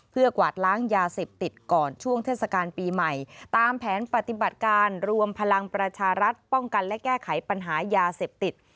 เพื่อกวาดล้างยาเสพติดก่อนช่วงเทศกาลปีใหม่ตามแผนปฏิบัติการรวมพลังประชารัฐป้องกันและแก้ไขปัญหายาเสพติด